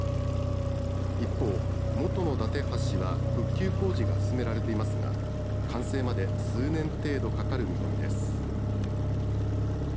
一方、元の伊達橋は復旧工事が進められていますが完成まで数年程度かかる見込みです。